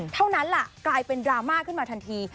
เท่านั้นล่ะกลายเป็นดราม่าขึ้นมาทันที